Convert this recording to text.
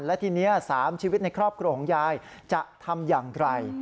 และทีนี้๓ชีวิตในครอบครัวของยายจะทำอย่างไร